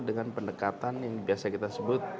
dengan pendekatan yang biasa kita sebut